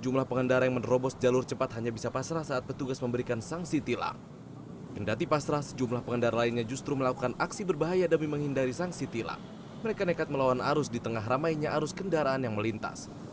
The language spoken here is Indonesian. mereka nekat melawan arus di tengah ramainya arus kendaraan yang melintas